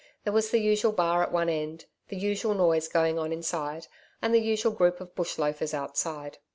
There was the usual bar at one end, the usual noise going on inside, and the usual groups of bush loafers outside.